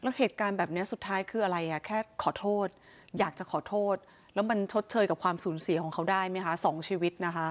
แล้วเหตุการณ์แบบนี้สุดท้ายคืออะไรอ่ะแค่ขอโทษอยากจะขอโทษแล้วมันชดเชยกับความสูญเสียของเขาได้ไหมคะ๒ชีวิตนะคะ